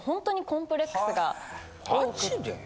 マジで？